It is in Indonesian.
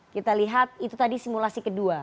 kita lihat itu tadi simulasi kedua